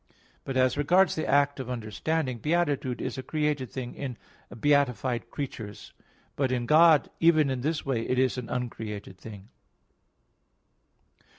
But as regards the act of understanding, beatitude is a created thing in beatified creatures; but in God, even in this way, it is an uncreated thing.